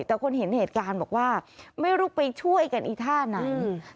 แต่คนเห็นเหตุการณ์บอกว่าไม่รู้ไปช่วยกันอีท่าไหน